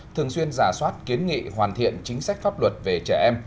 thường xuyên giả soát kiến nghị hoàn thiện chính sách pháp luật về trẻ em